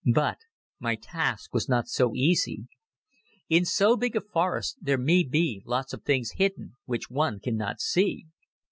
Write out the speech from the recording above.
But my task was not easy. In so big a forest there may be lots of things hidden which one can not see.